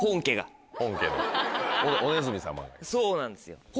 そうなんですよ